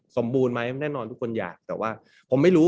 สมบูรณ์ไหมแน่นอนทุกคนอยากแต่ว่าผมไม่รู้